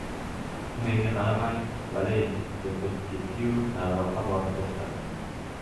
U menga qaramay, «valey» deb o‘tib ketdi-yu, nariroqqa borib to‘xtadi.